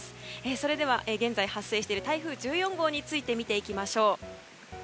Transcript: それでは現在発生している台風１４号について見ていきましょう。